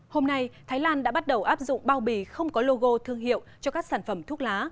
hôm nay thái lan đã bắt đầu áp dụng bao bì không có logo thương hiệu cho các sản phẩm thuốc lá